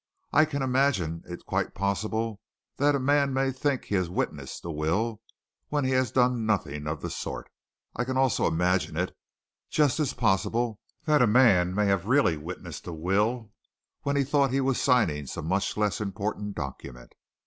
I can imagine it quite possible that a man may think he has witnessed a will when he has done nothing of the sort. I can also imagine it just as possible that a man may have really witnessed a will when he thought he was signing some much less important document.